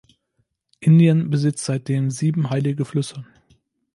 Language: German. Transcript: Indien besitzt seitdem sieben heilige Flüsse.